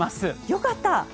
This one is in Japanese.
よかった。